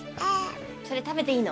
それ食べていいの？